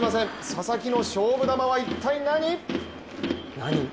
佐々木の勝負球は一体何？